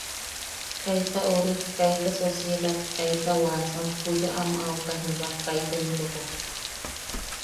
Kaita ori kaita sociedad kaita wasam juya ama aukan jiba kaita intoko.